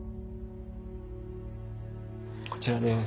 こちらです。